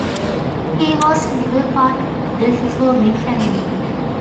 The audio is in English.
He was never part of the performing family.